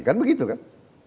kan begitu kan